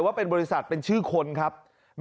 การโอนเราต้องโอนเงินก่อน๕๐๐๐๐บาท